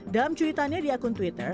dalam cuitannya di akun twitter